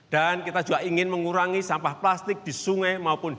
dan kita juga ingin mengurangi sampah plastik di sungai maupun di